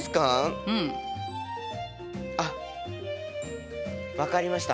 うん。あっ分かりました。